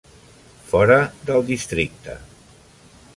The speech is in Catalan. Fora del districte.